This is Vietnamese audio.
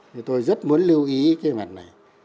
thì tôi rất muốn lưu ý cái mặt này